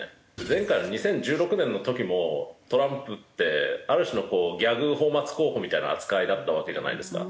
前回の２０１６年の時もトランプってある種のこうギャグ泡沫候補みたいな扱いだったわけじゃないですか。